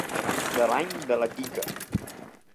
De l'any de la Quica.